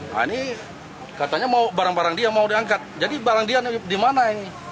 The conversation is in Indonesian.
nah ini katanya barang barang dia mau diangkat jadi barang dia dimana ini